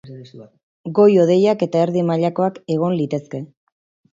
Goi-hodeiak eta erdi mailakoak egon litezke.